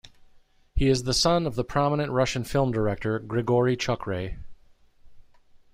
He is the son of the prominent Russian film director Grigory Chukhray.